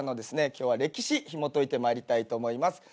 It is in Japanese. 今日は歴史ひもといてまいりたいと思います。